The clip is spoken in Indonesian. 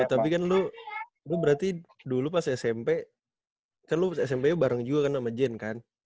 buat tapi kan lo lo berarti dulu pas smp kan lo smp nya bareng juga kan sama jen kan